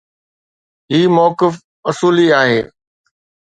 هي موقف اصولي آهي